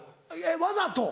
わざと？